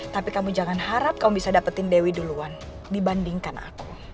tapi kamu jangan harap kau bisa dapetin dewi duluan dibandingkan aku